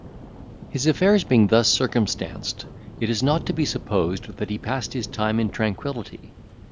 His affairs being thus circumstanced, it is not to be supposed that he passed his time in tranquillity.